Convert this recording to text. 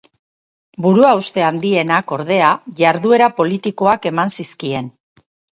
Buruhauste handienak, ordea, jarduera politikoak eman zizkien.